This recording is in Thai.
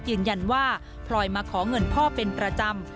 ยืนยันว่าพลอยมาขอเงินพ่อเป็นประจำ